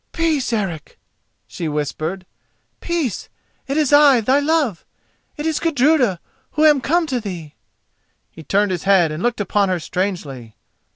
"Peace, Eric!" she whispered. "Peace! It is I, thy love. It is Gudruda, who am come to thee." He turned his head and looked upon her strangely.